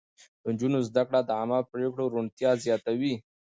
د نجونو زده کړه د عامه پرېکړو روڼتيا زياتوي.